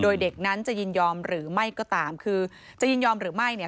โดยเด็กนั้นจะยินยอมหรือไม่ก็ตามคือจะยินยอมหรือไม่เนี่ย